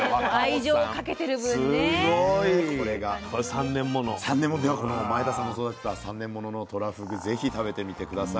ではこの前田さんの育てた３年もののとらふぐぜひ食べてみて下さい。